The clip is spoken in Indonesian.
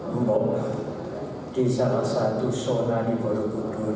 membangun di salah satu zona di borobudur